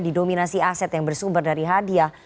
di dominasi aset yang bersumber dari hadiah